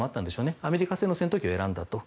アメリカ製の戦闘機を選んだと。